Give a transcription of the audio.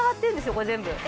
これ全部。